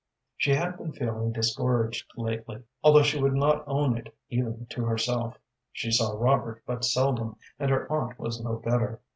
She had been feeling discouraged lately, although she would not own it even to herself. She saw Robert but seldom, and her aunt was no better.